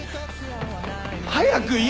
早く言えよ！